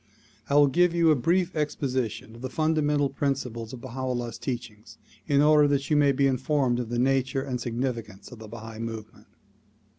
I will give you a brief exposition of the fundamental principles of Baha 'Ullah 's teachings in order that you may be informed of the nature and significance of the Bahai movement.